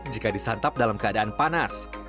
jika disantap dalam keadaan panas